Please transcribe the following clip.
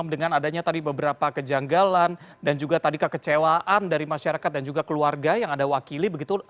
dengan adanya tadi beberapa kejanggalan dan juga tadi kekecewaan dari masyarakat dan juga keluarga yang anda wakili begitu